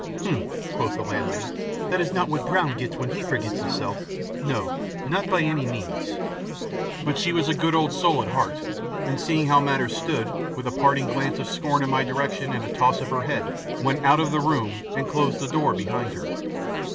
"Humph!" quoth the landlady, "that is not what BROWN gets when he forgets his self. No, not by any means." But she was a good old soul at heart, and, seeing how matters stood, with a parting glance of scorn in my direction and a toss of her head, went out of the room, and closed the door behind her.